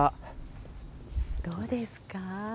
どうですか？